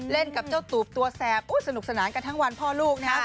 กับเจ้าตูบตัวแสบสนุกสนานกันทั้งวันพ่อลูกนะครับ